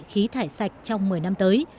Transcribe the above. khí thải sạch trong một mươi năm tới